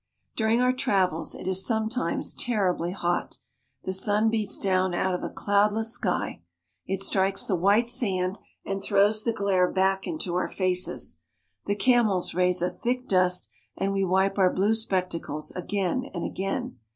During our travels it is sometimes terribly hot. The sun beats down out of a cloudless sky. It strikes the white sand and throws the glare back into our faces. The camels raise a thick dust, and we wipe our blue spectacles again and again.